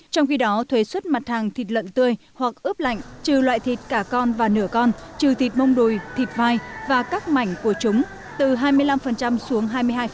trong khi đó thuế xuất mặt hàng thịt lợn tươi hoặc ướp lạnh trừ loại thịt cả con và nửa con trừ thịt mông đùi thịt vai và các mảnh của chúng từ hai mươi năm xuống hai mươi hai